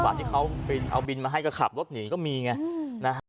ที่เขาเอาบินมาให้ก็ขับรถหนีก็มีไงนะฮะ